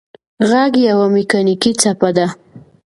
غږ یوه مکانیکي څپه ده.